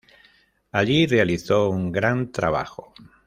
Allí realizó un gran trabajo.